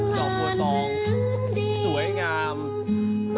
ดอกเอื้องสามป้อยพอเคยเป็นบ้านบ้านหลานหลืนดิ